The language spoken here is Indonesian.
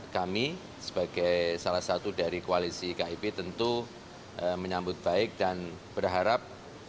kami sebagai salah satu dari koalisi kip tentu menyambut baik dan berharap